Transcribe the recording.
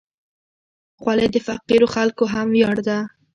خولۍ د فقیرو خلکو هم ویاړ ده.